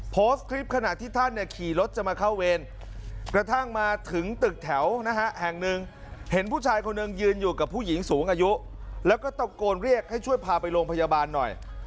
โพสต์คลิปขณะที่ท่านเนี่ยขี่รถจะมาเข้าเวรกระทั่งมาถึงตึกแถวนะฮะแห่งหนึ่งเห็นผู้ชายคนหนึ่งยืนอยู่กับผู้หญิงสูงอายุแล้วก็ตะโกนเรียกให้ช่วยพาไปโรงพยาบาลหน่อย